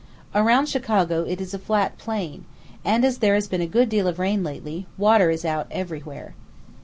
Around Chicago it is a flat plain, and, as there has been a good deal of rain lately, water is out everywhere.